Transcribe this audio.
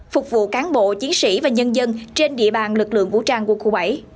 phục vụ cán bộ chiến sĩ và nhân dân trên địa bàn lực lượng vũ trang quân khu bảy